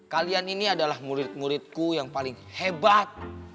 kalian ini adalah murid muridku yang paling hebat